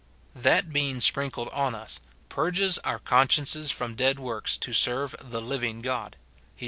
That being sprinkled on us, "purges our consciences from dead works to serve the living God," Heb.